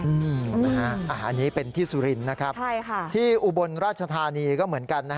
อันนี้เป็นที่สุรินทร์ที่อุบลราชธานีก็เหมือนกัน